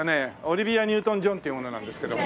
オリビア・ニュートン・ジョンっていう者なんですけども。